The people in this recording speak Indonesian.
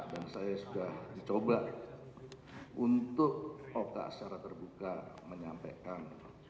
dan saya sudah dicoba untuk oka secara terbuka menyampaikan